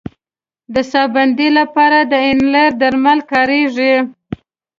د ساه بندۍ لپاره د انیلر درمل کارېږي.